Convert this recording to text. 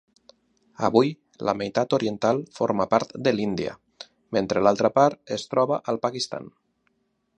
Avui, la meitat oriental forma part de l'Índia, mentre l'altra part es troba al Pakistan.